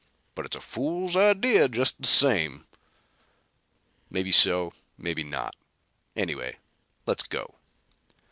But it's a fool idea just the same." "Maybe so. Maybe not. Anyway let's go."